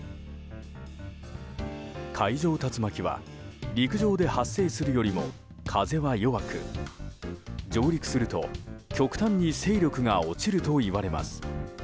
海上竜巻は陸上で発生するよりも風は弱く上陸すると極端に勢力が落ちるといわれます。